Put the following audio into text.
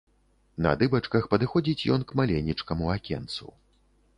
На дыбачках падыходзіць ён к маленечкаму акенцу.